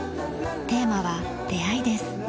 テーマは「出い」です。